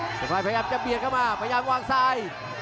สวัสดีครับพยายามจะเบียดเข้ามาพยายามวางซาย